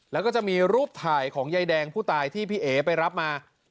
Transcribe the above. แล้วก็จะมีรูปถ่ายของยายแดงผู้ตายที่พี่เอ๋ไปรับมา